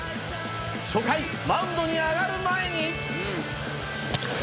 初回マウンドに上がる前に。